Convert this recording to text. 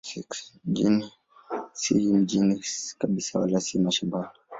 Si mjini kabisa wala si mashambani.